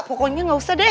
pokoknya nggak usah deh